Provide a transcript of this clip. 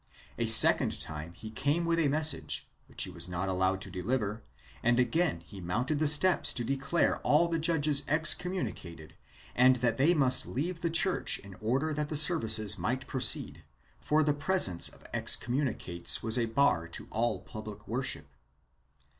A second time he came with a message, which he was not allowed to deliver, and again he mounted the steps to declare all the judges excom municated and that they must leave the church in order that the services might proceed, for the presence of excommunicates was a bar to all public worship.